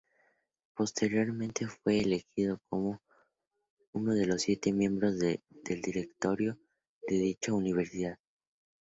Posteriormente, fue elegido como uno de los siete miembros del directorio de dicha universidad.